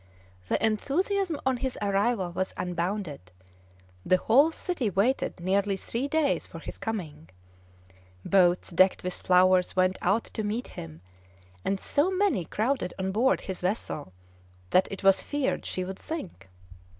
The enthusiasm on his arrival was unbounded. The whole city waited nearly three days for his coming. Boats decked with flowers went out to meet him, and so many crowded on board his vessel that it was feared she would sink.